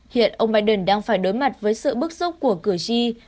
hiện ông biden đang phải đối mặt với sự bức xúc của cửa trang